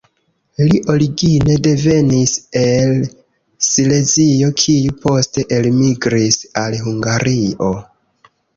Li origine devenis el Silezio kiu poste elmigris al Hungario.